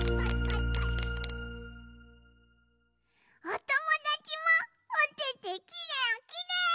おともだちもおててきれいきれい！